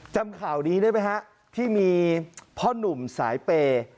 จำข่าวนี้ได้ไหมฮะที่มีพ่อหนุ่มสายเปย์